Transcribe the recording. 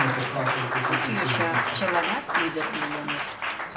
Куд йоча — чыланат ӱдыр лийыныт.